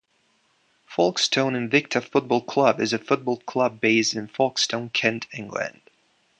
Folkestone Invicta Football Club is a football club based in Folkestone, Kent, England.